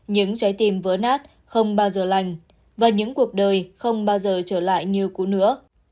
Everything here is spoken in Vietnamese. những trái tim vỡ nát không bao giờ lành và những cuộc đời không bao giờ trở lại như cũ nữa